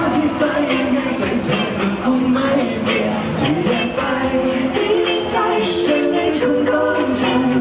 ตื่นใจฉันให้ทั้งก่อนเธอ